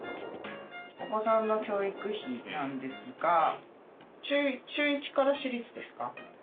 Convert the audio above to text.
お子さんの教育費なんですが中１から私立ですか？